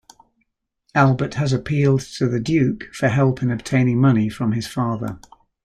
Albert has appealed to the Duke for help in obtaining money from his father.